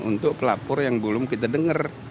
untuk pelapor yang belum kita dengar